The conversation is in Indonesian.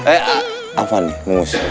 eh apa nih mus